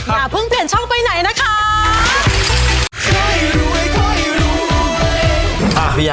อย่าเพิ่งเปลี่ยนช่องไปไหนนะคะ